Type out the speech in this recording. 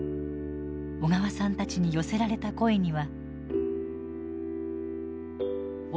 小川さんたちに寄せられた声には。